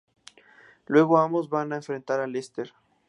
Luego ambos van a enfrentar a Lester.